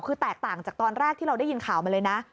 คือแตกต่างจากตอนแรกที่เราได้ยินข่าวมาเลยนะ